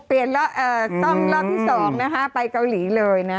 ซ่อมรอบที่๒นะคะไปเกาหลีเลยนะ